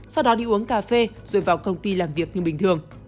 sau đó đi uống cà phê rồi vào công ty làm việc như bình thường